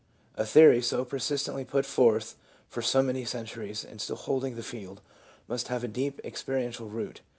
A theory so persistently put forth for so many centuries, and still holding the field, must have a deep experiential root.